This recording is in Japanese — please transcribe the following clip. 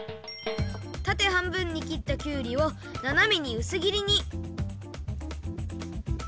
たてはんぶんにきったきゅうりをななめにうすぎりに。